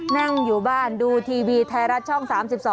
นั่งอยู่บ้านดูทีวีไทยรัฐช่อง๓๒